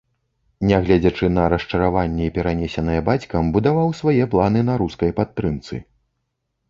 Нягледзячы на расчараванні, перанесеныя бацькам, будаваў свае планы на рускай падтрымцы.